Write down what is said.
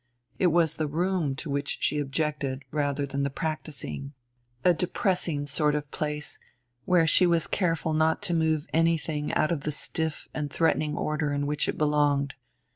It was the room to which she objected rather than the practicing; a depressing sort of place where she was careful not to move anything out of the stiff and threatening order in which it belonged.